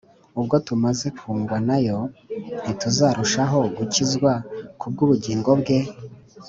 ubwo tumaze kungwa na Yo, ntituzarushaho gukizwa ku bw'ubugingo bwe?